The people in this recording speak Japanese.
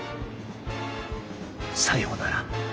さようなら